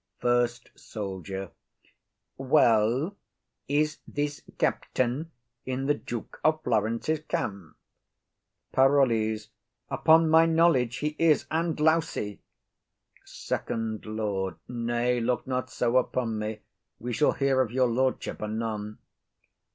FIRST SOLDIER. Well, is this captain in the Duke of Florence's camp? PAROLLES. Upon my knowledge, he is, and lousy. FIRST LORD. Nay, look not so upon me; we shall hear of your lordship anon.